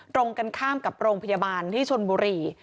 ตรงกันข้ามกับโรงพยาบาลที่ชนบุรี